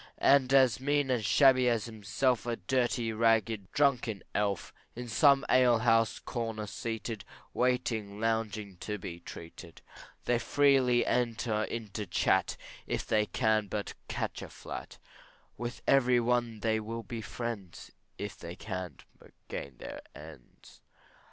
As mean and shabby as himself, A dirty, ragged, drunken elf, In some alehouse corner seated, Waiting longing to be treated. They freely enter into chat, If they can but catch a flat; With every one they will be friends, If they can but gain their ends.